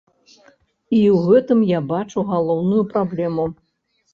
І ў гэтым я бачу галоўную праблему.